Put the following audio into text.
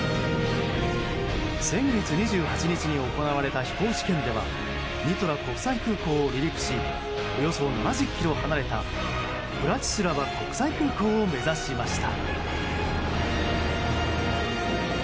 先月２８日に行われた飛行試験ではニトラ国際空港を離陸しおよそ７０ｋｍ離れたブラチスラバ国際空港を目指しました。